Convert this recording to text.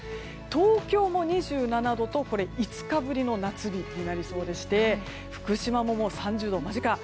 東京も２７度と５日ぶりの夏日になりそうでして福島も３０度間近。